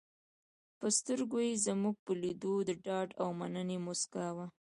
په سترګو کې یې زموږ په لیدو د ډاډ او مننې موسکا وه.